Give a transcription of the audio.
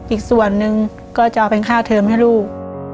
อีกส่วนนึงก็จะเอาเป็นค่าเทิมให้ลูก